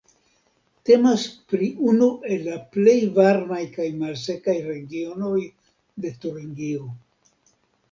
Temas pri unu el la plej varmaj kaj malsekaj regionoj de Turingio.